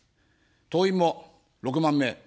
党員も６万名。